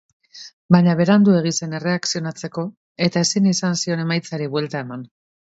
Baina beranduegi zen erreakzionatzeko eta ezin izan zion emaitzari buelta eman.